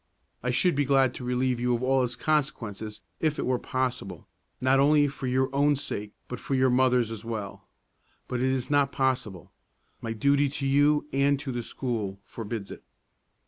I should be glad to relieve you of its consequences if it were possible, not only for your own sake, but for your mother's as well; but it is not possible; my duty to you and to the school forbids it.